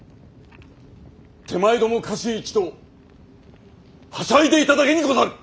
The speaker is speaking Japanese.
手前ども家臣一同はしゃいでいただけにござる！